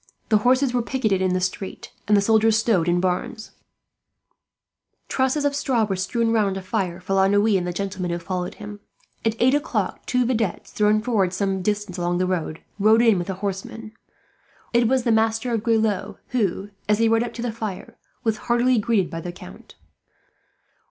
The horses were picketed in the street, and the soldiers stowed in barns; trusses of straw were strewn round a fire for La Noue, and the gentlemen who followed him. At eight o'clock two videttes, thrown forward some distance along the road, rode in with a horseman. It was the Master of Grelot who, as he rode up to the fire, was heartily greeted by the Count.